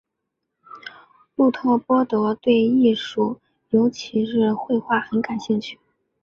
路特波德对艺术尤其是绘画很感兴趣。